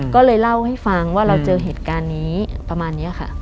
ก็เลยเล่าให้ฟังว่าเราเจอเหตุการณ์นี้ประมาณนี้ค่ะ